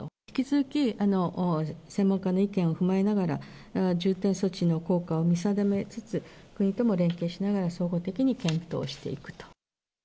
引き続き、専門家の意見を踏まえながら、重点措置の効果を見定めつつ、国とも連携しながら総合的に検討していくと。